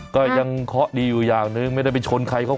ก็ยังเคาะดีอยู่อย่างหนึ่งไม่ได้ไปชนใครเขา